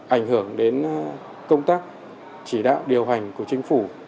ảnh hưởng đến công tác chỉ đạo điều hành của chính phủ